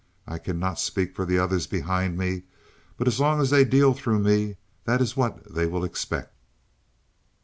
I cannot speak for the others behind me, but as long as they deal through me that is what they will expect."